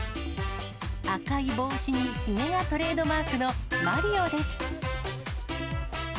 赤い帽子にひげがトレードマークのマリオです。